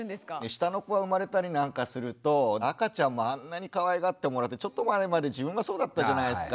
下の子が生まれたりなんかすると赤ちゃんもあんなにかわいがってもらってちょっと前まで自分がそうだったじゃないですか。